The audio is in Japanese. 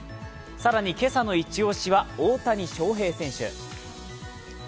更に今朝のイチ押しは大谷翔平選手。